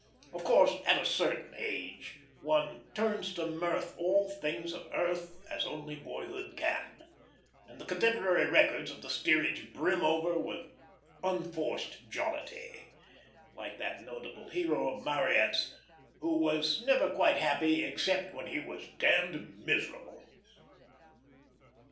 Of course, at a certain age one "turns to mirth all things of earth, as only boyhood can;" and the contemporary records of the steerage brim over with unforced jollity, like that notable hero of Marryat's "who was never quite happy except when he was d d miserable."